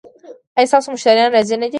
ایا ستاسو مشتریان راضي نه دي؟